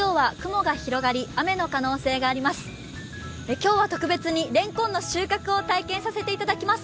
今日は特別にれんこんの収穫を体験させていただきます。